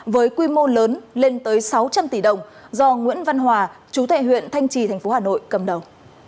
với quy mô lớn lên tới sáu trăm linh tỷ đồng do nguyễn văn hòa chú thệ huyện thanh trì tp hà nội cầm đầu